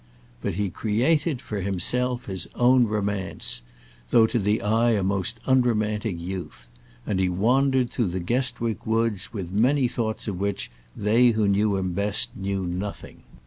But he created for himself his own romance, though to the eye a most unromantic youth; and he wandered through the Guestwick woods with many thoughts of which they who knew him best knew nothing.